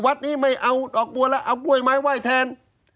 วัดนี้ไม่เอาดอกบัวแล้วเอากล้วยไม้ไหว้แทน